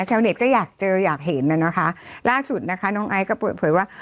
ชาวเน็ตก็อยากเจออยากเห็นน่ะนะคะล่าสุดนะคะน้องไอซ์ก็เปิดเผยว่า